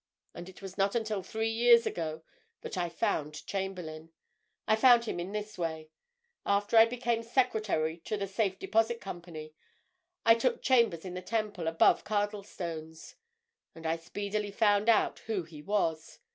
And it was not until three years ago that I found Chamberlayne. I found him in this way: After I became secretary to the Safe Deposit Company, I took chambers in the Temple, above Cardlestone's. And I speedily found out who he was.